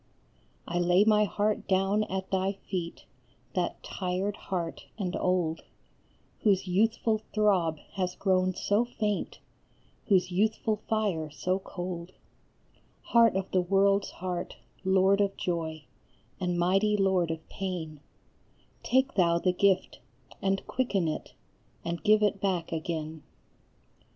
I lay my heart down at thy feet, that tired heart and old, Whose youthful throb has grown so faint, whose youthful fire so cold ; Heart of the world s heart, Lord of joy, and mighty Lord of pain, Take thou the gift, and quicken it, and give it back again.